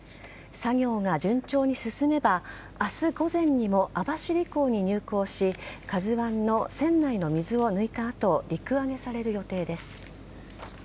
作業が順調に進めば明日午前にも網走港に入港し「ＫＡＺＵ１」の船内の水を抜いた後陸揚げされる予定です。